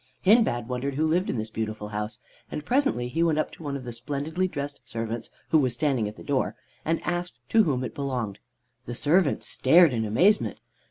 Hindbad wondered who lived in this beautiful house, and presently he went up to one of the splendidly dressed servants, who was standing at the door, and asked to whom it belonged. The servant stared in amazement.